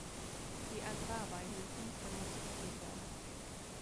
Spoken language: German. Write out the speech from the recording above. Die Agrarbeihilfen können diskutiert werden.